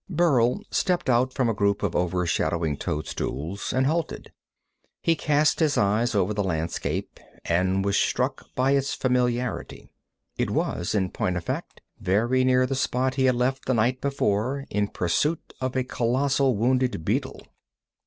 Burl stepped out from a group of over shadowing toadstools and halted. He cast his eyes over the landscape, and was struck by its familiarity. It was, in point of fact, very near the spot he had left the night before, in pursuit of a colossal wounded beetle.